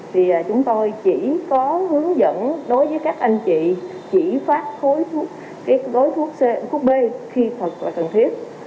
thì chúng tôi chỉ có hướng dẫn đối với các anh chị chỉ phát gói thuốc b khi thật là cần thiết